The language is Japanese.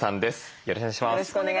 よろしくお願いします。